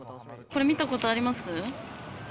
これ見たことあります？